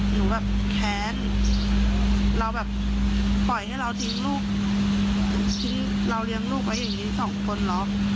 หนูแบบแค้นเราแบบปล่อยให้เราทิ้งลูกทิ้งเราเลี้ยงลูกไว้อย่างนี้สองคนเนอะ